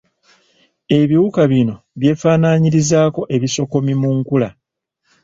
Ebiwuka bino byefaananyirizaako ebisokomi mu nkula.